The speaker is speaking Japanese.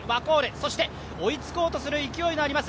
そして追いつこうとする勢いのあります